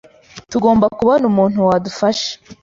Tugomba kubona umuntu wadufasha.